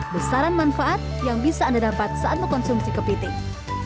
besaran manfaat yang bisa anda dapat saat mengkonsumsi kepiting